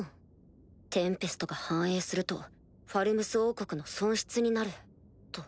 テンペストが繁栄するとファルムス王国の損失になると。